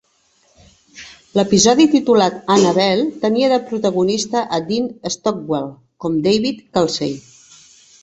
L'episodi, titulat "Annabel," tenia de protagonista a Dean Stockwell com David Kelsey